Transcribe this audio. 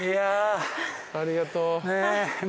ありがとう。